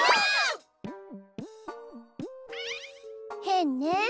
へんね